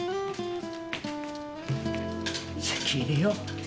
籍入れよう。